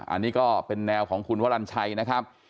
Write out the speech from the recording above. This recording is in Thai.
อันนี้ก็เป็นแนวของคุณวรรณชัยนะครับ